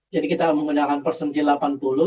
jadi kita menggunakan persentil delapan puluh